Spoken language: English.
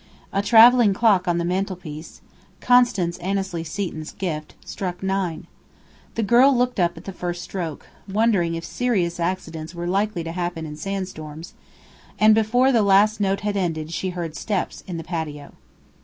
A travelling clock on the mantelpiece Constance Annesley Seton's gift struck nine. The girl looked up at the first stroke, wondering if serious accidents were likely to happen in sandstorms; and before the last note had ended she heard steps in the patio.